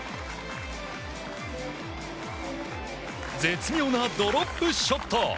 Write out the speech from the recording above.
絶妙なドロップショット！